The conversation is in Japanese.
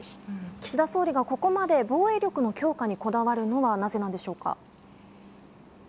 岸田総理がここまで防衛力強化にこだわるのはなぜなんでしょうか。